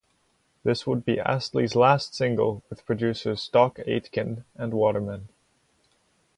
This would be Astley's last single with producers Stock Aitken and Waterman.